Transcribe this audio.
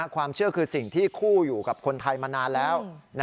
ความเชื่อคือสิ่งที่คู่อยู่กับคนไทยมานานแล้ว